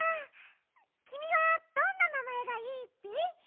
きみはどんななまえがいいッピ？